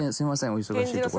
お忙しいところ。